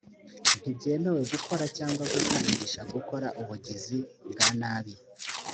ntibyemewe gukora cyangwa gukangisha gukora ubugizi bwanabi